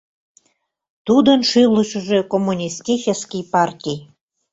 Тудын шӱлышыжӧ — коммунистический партий.